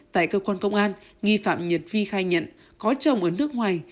tại cơ quan công an nghi phạm nhật vi khai nhận có chồng ở nước ngoài